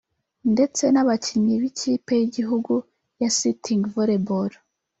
ndetse n’abakinnyi b’ikipe y’igihugu ya Sitting Volleyball